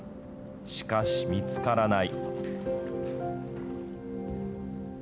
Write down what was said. しかし、見つからない。